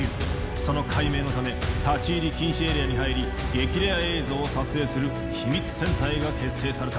その解明のため立ち入り禁止エリアに入り激レア映像を撮影する秘密戦隊が結成された。